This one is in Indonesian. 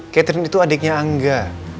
catherine itu adiknya angga